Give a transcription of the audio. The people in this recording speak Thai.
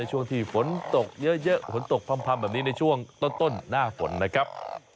ช่วงที่ฝนตกเยอะฝนตกพำแบบนี้ในช่วงต้นหน้าฝนนะครับ